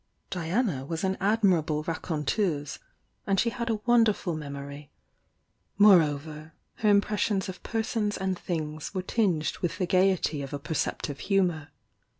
Diana was an admirable THE YOUNG DIANA 107 raconteuse, and she had a wonilcrful memory,— moreover, her impressions of pcraons and things wer ■ tinged with the gaiety of >>. perceptive humour.